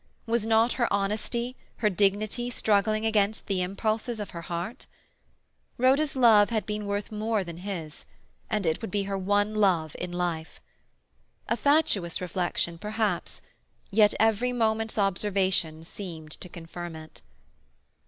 Was not her honesty, her dignity, struggling against the impulses of her heart? Rhoda's love had been worth more than his, and it would be her one love in life. A fatuous reflection, perhaps; yet every moment's observation seemed to confirm it.